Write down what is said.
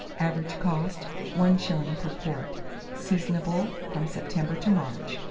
Average cost, 1s. per quart. Seasonable from September to March.